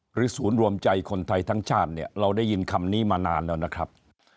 ศูนย์รวมใจคนไทยทั้งชาติเนี่ยเราได้ยินคำนี้มานานแล้วนะครับ